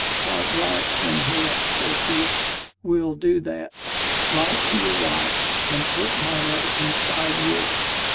"Quite right, Penhale!" says he; "we'll do that. Write to your wife, and put my letter inside yours."